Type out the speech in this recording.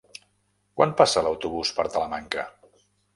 Quan passa l'autobús per Talamanca?